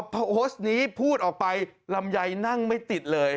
พอโพสต์นี้พูดออกไปลำไยนั่งไม่ติดเลย